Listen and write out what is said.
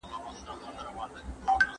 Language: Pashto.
¬ خر په اته، کوټى ئې په شپېته.